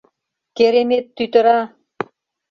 — Керемет тӱтыра!